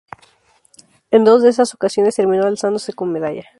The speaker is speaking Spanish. En dos de esas ocasiones terminó alzándose con medalla.